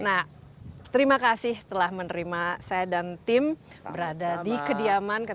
nah terima kasih telah menerima saya dan tim berada di kediaman